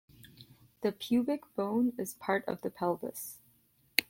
The pubic bone is part of the pelvis.